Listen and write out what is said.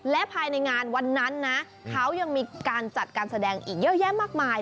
และภายในงานวันนั้นนะเขายังมีการจัดการแสดงอีกเยอะแยะมากมาย